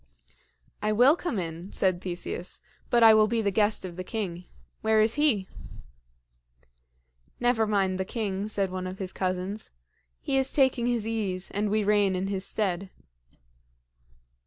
"I will come in," said Theseus, "but I will be the guest of the king. Where is he?" "Never mind the king," said one of his cousins. "He is taking his ease, and we reign in his stead."